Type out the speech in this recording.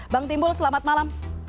bang timbul selamat malam